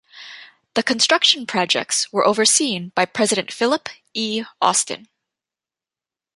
The construction projects were overseen by President Philip E. Austin.